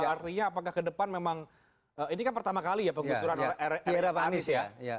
artinya apakah kedepan memang ini kan pertama kali ya pengusuran rr anies ya